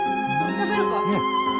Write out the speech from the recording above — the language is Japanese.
食べるか？